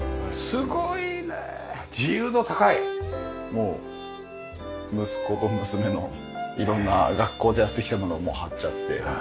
もう息子と娘の色んな学校でやってきたものを貼っちゃって。